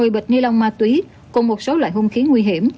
một mươi bịch ni lông ma túy cùng một số loại hung khí nguy hiểm